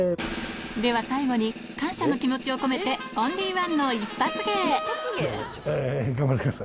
では最後に感謝の気持ちを込めてオンリー１の一発芸頑張ってください。